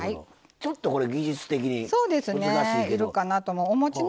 ちょっとこれ技術的に難しいけど。